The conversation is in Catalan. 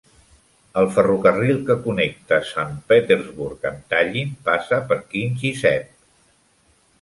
El ferrocarril que connecta Sant Petersburg amb Talllinn passa per Kingisepp.